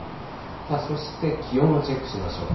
さあそして気温をチェックしましょう。